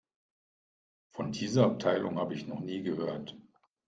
Von dieser Abteilung habe ich noch nie gehört.